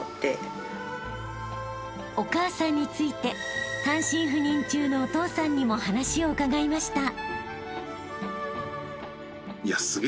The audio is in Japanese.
［お母さんについて単身赴任中のお父さんにも話を伺いました］